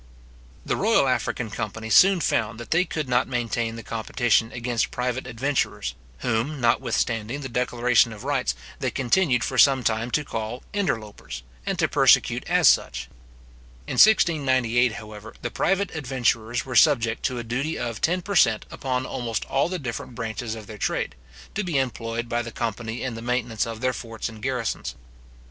The Royal African company soon found that they could not maintain the competition against private adventurers, whom, notwithstanding the declaration of rights, they continued for some time to call interlopers, and to persecute as such. In 1698, however, the private adventurers were subjected to a duty of ten per cent. upon almost all the different branches of their trade, to be employed by the company in the maintenance of their forts and garrisons.